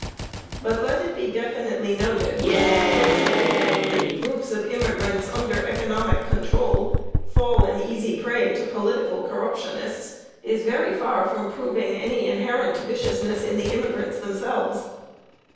But let it be definitely noted that to admit that groups of immigrants under economic control fall an easy prey to political corruptionists is very far from proving any inherent viciousness in the immigrants themselves.